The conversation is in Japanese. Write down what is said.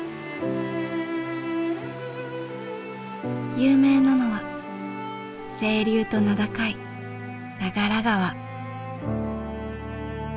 有名なのは清流と名高い長良川。